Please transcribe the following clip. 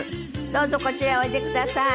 どうぞこちらへおいでください。